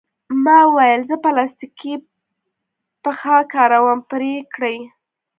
ما وویل: زه پلاستیکي پښه کاروم، پرې یې کړئ.